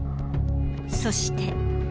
そして。